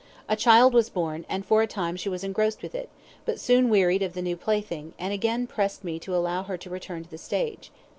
A child was born, and for a time she was engrossed with it, but soon wearied of the new plaything, and again pressed me to allow her to return to the stage.